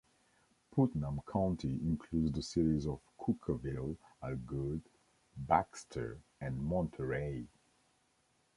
Putnam County includes the cities of Cookeville, Algood, Baxter and Monterey.